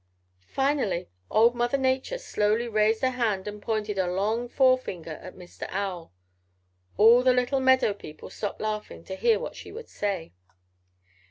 "Finally old Mother Nature slowly raised a hand and pointed a long forefinger at Mr. Owl. All the little meadow people stopped laughing to hear what she would say.